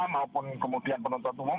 maupun kemudian penonton umum